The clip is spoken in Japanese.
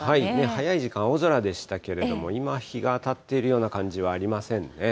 早い時間、青空でしたけれども、今、日が当たっているような感じはありませんね。